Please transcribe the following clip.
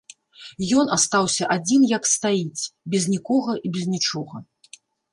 Ён астаўся адзін як стаіць, без нікога і без нічога.